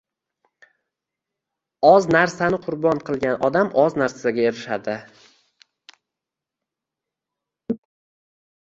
Oz narsani qurbon qilgan odam, oz narsaga erishadi.